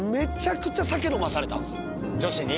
女子に？